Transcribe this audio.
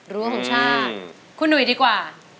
รั้วของชาติคุณหนุ่ยดีกว่า